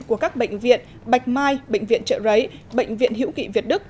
của các bệnh viện bạch mai bệnh viện trợ rấy bệnh viện hiễu kỵ việt đức